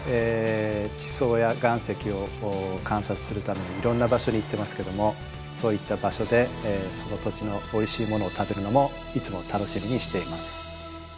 地層や岩石を観察するためにいろんな場所に行ってますけどもそういった場所でその土地のおいしいものを食べるのもいつも楽しみにしています。